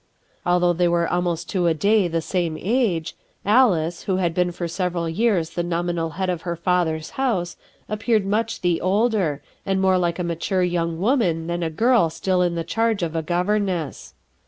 Although they were almost to a day of the same age, Alice, who had been for several years the nominal head of her father's house, appeared much the older, and more like a mature young woman than a girl still in the charge of a governess.